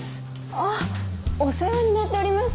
あっお世話になっております